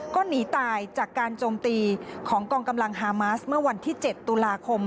ก็หนีตายจากการโจมตีของกองกำลังฮามาสเมื่อวันที่๗ตุลาคม